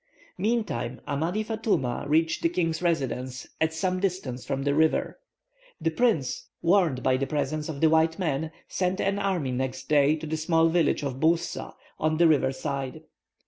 Meantime, Amadi Fatouma reached the king's residence, at some distance from the river. The prince, warned of the presence of the white men, sent an army next day to the small village of Boussa, on the river side.